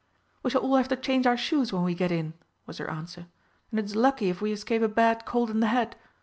"We shall all have to change our shoes when we get in," was her answer. "And it is lucky if we escape a bad cold in the head.